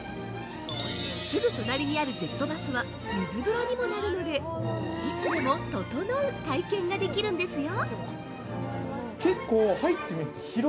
すぐ隣にあるジェットバスは、水風呂にもなるのでいつでも“ととのう”体験ができるんですよ。